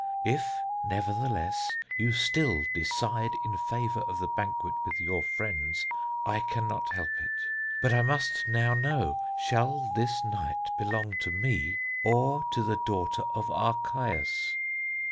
If, nevertheless, you still decide in favour of the banquet with your friends, I can not help it; but I must now know: Shall this night belong to me, or to the daughter of Archias?"